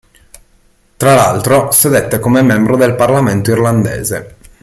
Tra l'altro sedette come membro del parlamento irlandese.